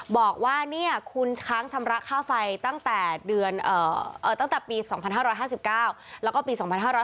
บอกว่าคุณค้างชำระค่าไฟตั้งแต่ปี๒๕๕๙แล้วก็ปี๒๕๕๙